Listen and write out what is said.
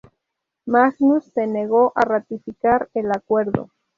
Magnus se negó a ratificar el acuerdo.